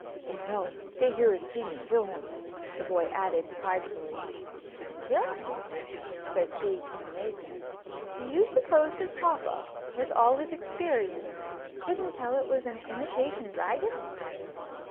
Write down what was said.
"Or no. Stay here and see me kill him," the boy added, pridefully. "Kill him!" said she, in amazement. "Do you suppose that papa, with all his experience, couldn't tell it was an imitation dragon?